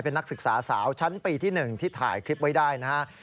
เป็นนักศึกษาสาวชั้นปีที่๑ที่ถ่ายคลิปไว้ได้นะครับ